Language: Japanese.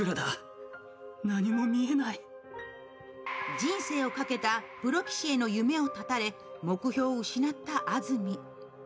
人生をかけたプロ棋士への夢を絶たれ目標を失った安住。